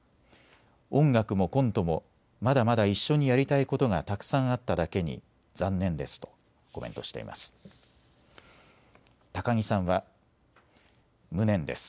音楽もコントもまだまだ一緒にやりたいことがたくさんあっただけに残念ですとコメントしています。